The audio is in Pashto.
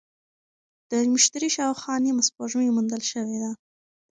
د مشتري شاوخوا نیمه سپوږمۍ موندل شوې ده.